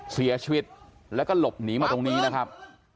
เสียชีวิตแล้วก็หลบหนีมาตรงนี้นะครับ